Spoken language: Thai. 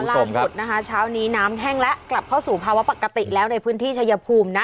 ล่าสุดนะคะเช้านี้น้ำแห้งแล้วกลับเข้าสู่ภาวะปกติแล้วในพื้นที่ชายภูมินะ